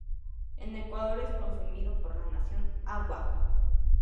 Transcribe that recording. En Ecuador es consumido por la nación Awá.